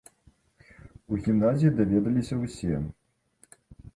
У гімназіі даведаліся ўсе.